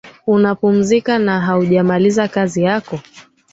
una pumzika na haujamaliza kazi yako